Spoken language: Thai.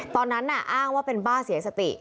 ตอนนั้นน่ะอ้างว่าเป็นบ้าเสียสติ